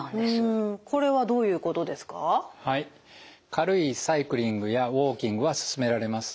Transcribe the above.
軽いサイクリングやウォーキングはすすめられます。